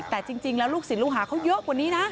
แต่จริงแล้วลูกศิลปลูกหาเขาเยอะกว่านี้นะ